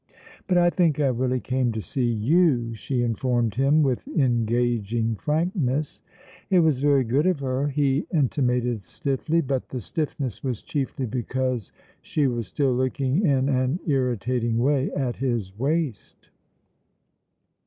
"But I think I really came to see you," she informed him, with engaging frankness. It was very good of her, he intimated stiffly; but the stiffness was chiefly because she was still looking in an irritating way at his waist.